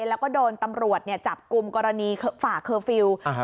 แล้วก็โดนตำรวจจับกลุ่มกรณีฝ่าเคอร์ฟิลล์